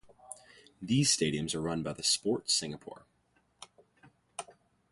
These stadiums are run by the Sport Singapore.